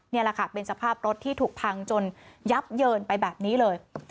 นี่แหละค่ะเป็นสภาพรถที่ถูกพังจนยับเยินไปแบบนี้เลย